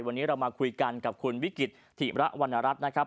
วันนี้เรามาคุยกันกับคุณวิกฤตธิระวรรณรัฐนะครับ